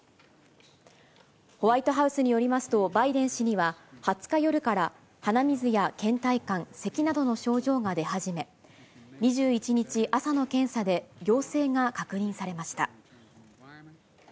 ホワイトハウスによりますと、バイデン氏には、２０日夜から鼻水やけん怠感、せきなどの症状が出始め、２１日朝の検査で陽性が確認されました。